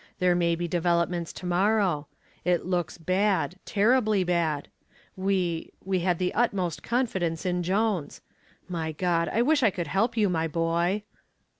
There may be developments to morrow. It looks bad terribly bad. We we had the utmost confidence in Jones. My God, I wish I could help you, my boy."